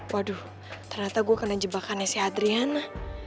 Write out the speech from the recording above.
waduh ternyata gue kena jebakan esnya adriana